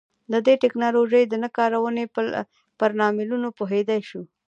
د دې ټکنالوژۍ د نه کارونې پر لاملونو پوهېدای شو.